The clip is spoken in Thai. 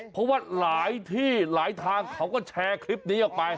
เพราะว่าหลายที่หลายทางเขาก็แชร์คลิปนี้ออกไป